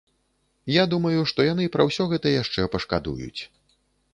Я думаю, што яны пра ўсё гэта яшчэ пашкадуюць.